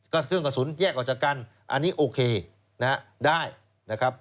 ก็เครื่องกระสุนแยกออกจากกันอันนี้โอเคนะฮะได้นะครับ